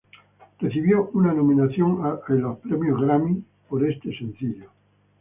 Recibió una nominación a la en los premios Grammy por este sencillo.